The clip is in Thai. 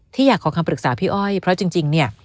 อยากขอคำปรึกษาพี่อ้อยเพราะจริงเนี่ย